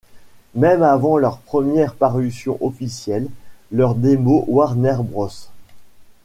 Même avant leurs premières parutions officielles, leurs démos Warner Bros.